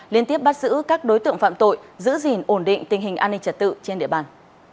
liên tiếp bắt giữ các đối tượng phạm tội giữ gìn ổn định tình hình an ninh trật tự trên địa bàn